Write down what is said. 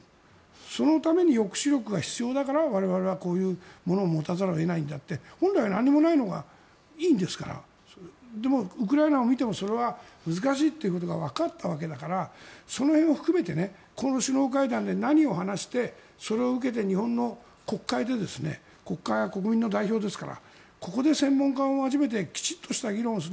そのために抑止力が必要だから我々はこういうものを持たざるを得ないのであって本当は何もないのがいいわけですからでもウクライナを見てもそれは難しいことがわかったわけだからその辺を含めてこの首脳会談で何を話してそれを受けて日本の国会で国会は国民の代表ですからここで専門家も交えてきちんと議論する。